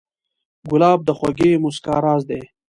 ګلاب د خوږې موسکا راز دی.